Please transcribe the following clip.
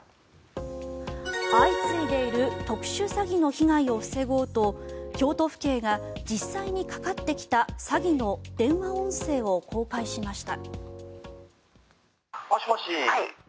相次いでいる特殊詐欺の被害を防ごうと京都府警が実際にかかってきた詐欺の電話音声を公開しました。